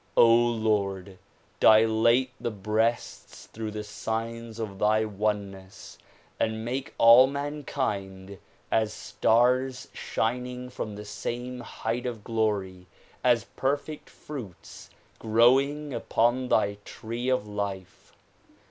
Lord! dilate the breasts through the signs of thy oneness and make all mankind as stars shining from the same height of glory, as perfect fruits grow ing upon thy tree of life.